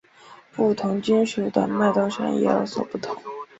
不同金属的脉动声也有所不同。